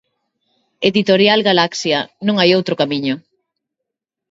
Editorial Galaxia, "Non hai outro camiño".